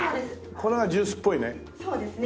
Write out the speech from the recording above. これはジュースっぽいね。